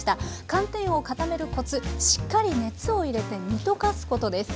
寒天を固めるコツしっかり熱を入れて煮溶かすことです。